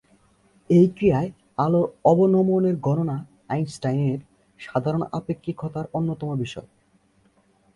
এই ক্রিয়ায় আলোর অবনমনের গণনা আইনস্টাইনের সাধারণ আপেক্ষিকতার অন্যতম বিষয়।